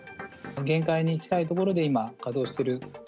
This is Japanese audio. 限界に近いところで今、稼働してる。